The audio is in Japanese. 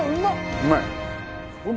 うまい！